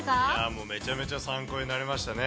もうめちゃめちゃ参考になりましたね。